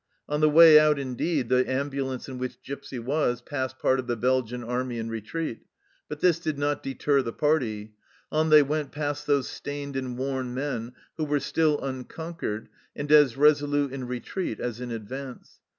On the way out indeed, the ambulance in which Gipsy was, passed part of the Belgian Army in retreat. But this did not deter the party ; on they went past those stained and worn men who were still unconquered and as resolute in retreat as in advance.